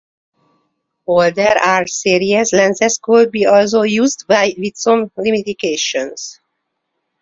Older R- series lenses could also be used with some limitations.